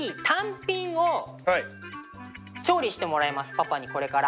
パパにこれから。